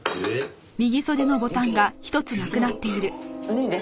脱いで。